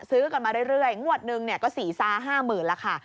ซื้อกันมาเรื่อยงวดหนึ่งก็สี่ซาห้าหมื่นแล้วค่ะ